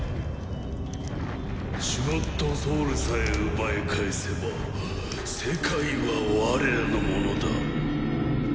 シュゴッドソウルさえ奪い返せば世界は我らのものだ。